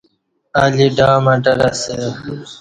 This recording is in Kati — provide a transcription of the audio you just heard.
الی دا مٹر اسہ۔